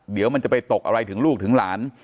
เดี๋ยวมันจะไปตกอะไรถึงลูกถึงหลาน